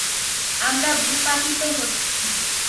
আমরা ভূপাতিত হচ্ছি।